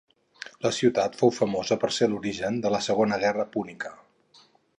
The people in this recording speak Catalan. La ciutat fou famosa per ser l'origen de la Segona Guerra púnica.